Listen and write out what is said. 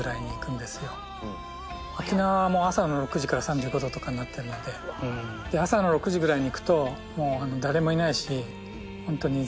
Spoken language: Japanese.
沖縄もう朝の６時から３５℃とかになってるのでで朝の６時ぐらいに行くと。